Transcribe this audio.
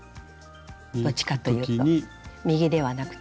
どっちかというと右ではなくて。